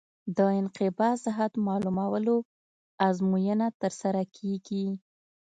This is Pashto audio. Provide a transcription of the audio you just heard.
د انقباض حد معلومولو ازموینه ترسره کیږي